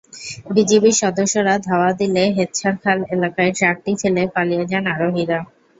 বিজিবির সদস্যরা ধাওয়া দিলে হেচ্ছারখাল এলাকায় ট্রাকটি ফেলে পালিয়ে যান আরোহীরা।